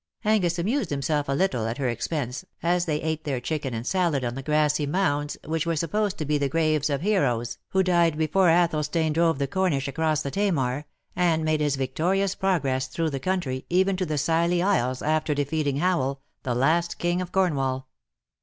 Angus amused himself a little at her expense, as they ate their chicken and salad on the grassy mounds which were supposed to be the graves of heroes who died before Athelstane drove the Cornish across the Tamar, and made his victorious progress through the country, even to the Scilly Isles, after defeating Howel, the last JCing of Cornwall.